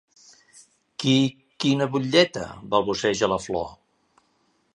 Qui... quina butlleta? —balbuceja la Flor—.